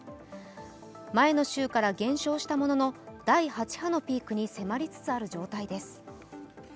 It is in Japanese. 前の週から減少したものの第８波のピークに迫りつつある状態です。